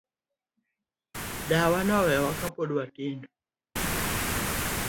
Dawa nowewa ka pod watindo.